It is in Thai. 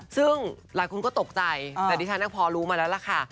ซึ่งหลายคนก็ตกใจแต่ดิฉันพอรู้มาแล้วล่ะค่ะ